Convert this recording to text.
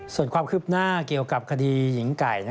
ส่วนความคืบหน้าเกี่ยวกับคดีหญิงไก่